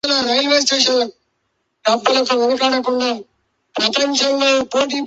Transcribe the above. All that said, throwing a ball out of a lacrosse stick looks really hard.